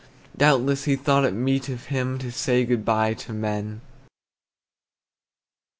Doubtless, he thought it meet of him To say good by to men.